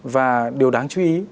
và điều đáng chú ý